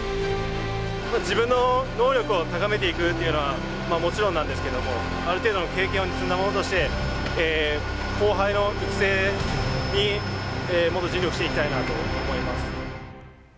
自分の能力を高めていくというのはもちろんなんですけれども、ある程度の経験を積んだ者として、後輩の育成にもっと尽力していきたいなと思います。